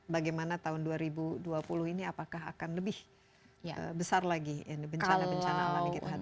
bagaimana tahun dua ribu dua puluh ini apakah akan lebih besar lagi bencana bencana alam yang kita hadapi